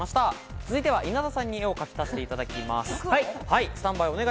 続いては稲田さんに絵を描き足していただきます。